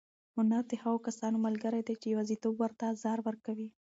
هنر د هغو کسانو ملګری دی چې یوازېتوب ورته ازار ورکوي.